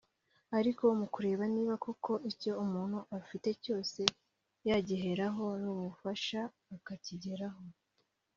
ariko mu kureba niba koko icyo umuntu afite cyose yagiheraho n’umufasha akagiheraho